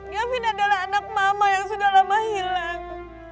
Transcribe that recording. yavin adalah anak mama yang sudah lama hilang